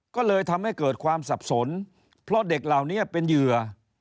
ก็เลยทำให้เกิดความสับสนเพราะเด็กเหล่านี้เป็นเหยื่อ